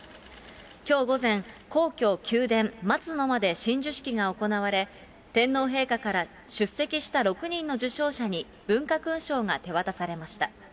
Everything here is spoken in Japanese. きょう午前、皇居・宮殿松の間で親授式が行われ、天皇陛下から出席した６人の受章者に、文化勲章が手渡されました。